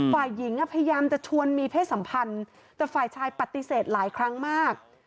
ฝ่ายหญิงพยายามจะชวนมีเพศสัมพันธ์แต่ฝ่ายชายปฏิเสธหลายครั้งมาก